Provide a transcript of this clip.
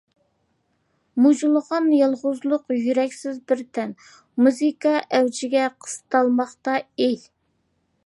مۇجۇلغان يالغۇزلۇق يۈرەكسىز بىر تەن، مۇزىكا ئەۋجىگە قىستالماقتا ئېھ.